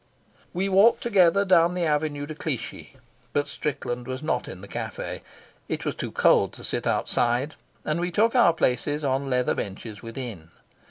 We walked together down the Avenue de Clichy, but Strickland was not in the cafe. It was too cold to sit outside, and we took our places on leather benches within.